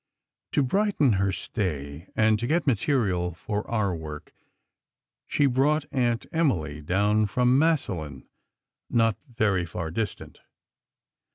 To brighten her stay, and to get material for our work, she brought "Aunt Emily" down from Massillon, not very far distant.